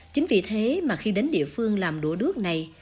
chính vì thế mà khi đến địa phương làm đổ đước này